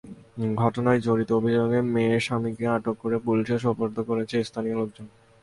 ঘটনায় জড়িত অভিযোগে মেয়ের স্বামীকে আটক করে পুলিশে সোপর্দ করেছে স্থানীয় লোকজন।